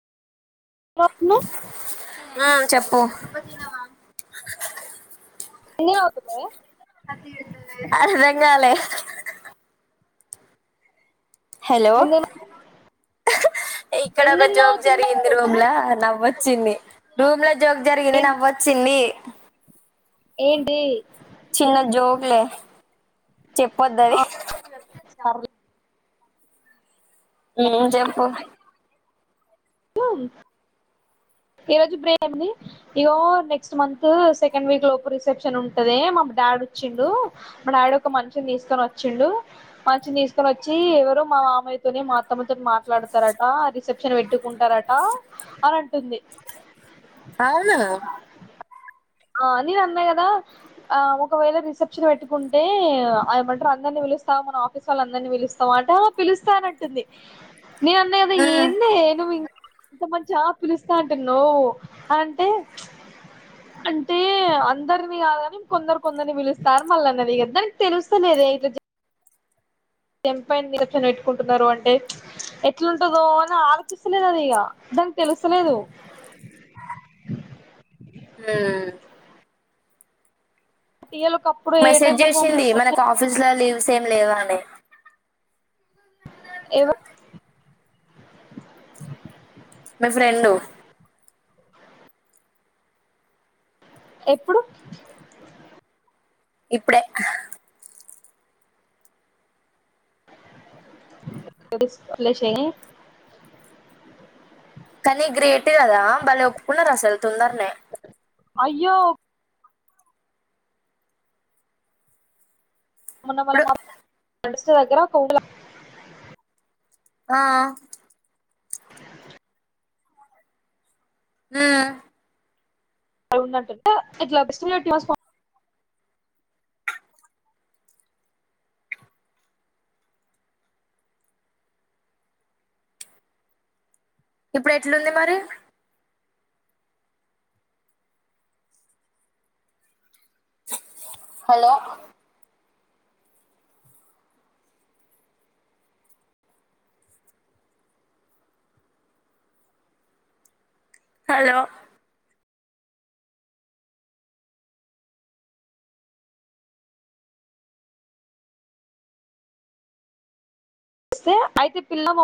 స్వప్ను మా చెప్పు ఎన్న వత్తడి అహ అర్ధం కాలె హెలో ఎందుకు ఇక్కడ ఎందుకు జోక్ జరిగింది నవ్వుతున్నావ్ రూమ్లా నవ్వచ్చ చిన్ని రూమ్లో జోక్ జరిగింది ఏంటి నవ్వొచ్చింది ఏంటి చిన్న జోకులే చెప్పొద్ద అది ఆ సర్లే జంపో ఈ రోజు బ్రే ఏమి ఇగో నెక్స్ట్ మంత్ సెకండ్ వీక్ లోపు రిసెప్షన్ ఉంటది మా డాడ వచ్చిండు మా డాడీ ఒక మనిషిని తీసుకొని వచ్చిండు మంచిని తీసుకొని వచ్చి ఎవరు మా మామయ్యతోని మా అత్తమ్మతో మాట్లాడతారట రిసెప్షన్ పెట్టు కుంటారట అని అంటుంది అవునా ఆ నేను అన్నా కదా ఆ ఒకవేళ రిసెప్షన్ పెట్టుకుంటే అయమంటారు అందరినీ పిలుస్తా మన ఆఫీస్ వాళ్ళ అందరినీ పిలుస్తాం అంటే పిలుస్తా అనట్టుంది న అన్నయ్యదా ఉమ్ ఏంద ఏను మీ అంత మంచిగా పిలుస్తా అంటు నువ్వు అంటే అంటే అందరిని కాదని కొందరు కొందరిని పిలుస్తారు మళ్ళనేది కదా దానికి తెలుస్తలేద ఇట్ తెంపైన నిదచన పెట్టుకుంటున్నారు అంటే ఎట్లాంటందో అని ఆలోచిస్తలేదు అది ఇక దానికి తెలుసలేదు ఆ టీఎల్ ఒకప్పుడు ఏ టైం మెసేజ్ వరకు చేసింది పంపిస్తారు మనకు ఆఫీస్ లో లీవ్ సేమ్ లేవానే ఎవరు మీ ఫ్రెండ్ ఎప్పుడు ఇప్పుడే హా వదిలేశెయ్ కానీ గ్రేట్ కదా బలే ఒప్పుకున్నారు అసలు తొందరనే అయ్యో మొన్న ఇప్పుడు వాళ్ల ఫ్రెండ్ దగ్గర ఒక ఊర్ల అ మ్ ఉందని చెప్తె ఇట్లా బస్ రెస్పాన్స్ ఇప్పుడు ఎట్లుంది మరి హలో హలో వస్తే అయితే పిల్ల